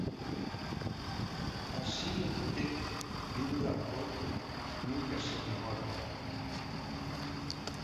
Así el proyecto de un gran puerto nunca se llevó a cabo.